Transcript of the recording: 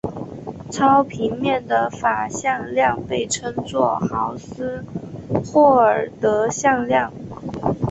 超平面的法向量被称作豪斯霍尔德向量。